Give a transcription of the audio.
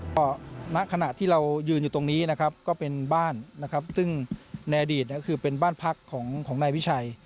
ก็ณขณะที่เรายืนอยู่ตรงนี้นะครับก็เป็นบ้านนะครับซึ่งในอดีตก็คือเป็นบ้านพักของนายวิชัย